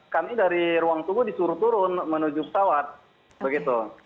kami dari ruang tunggu disuruh turun menuju pesawat begitu